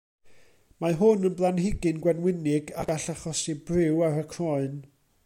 Mae hwn yn blanhigyn gwenwynig a gall achosi briw ar y croen.